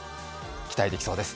期待できそうです。